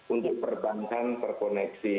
untuk perbankan terkoneksi